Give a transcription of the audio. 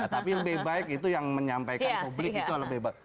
tapi lebih baik itu yang menyampaikan publik